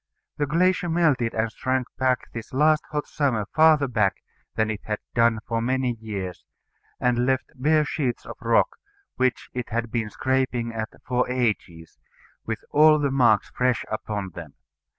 The glacier melted and shrank this last hot summer farther back than it had done for many years, and left bare sheets of rock, which it had been scraping at for ages, with all the marks fresh upon them.